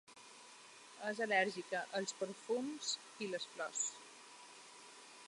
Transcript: És al·lèrgica als perfums i les flors.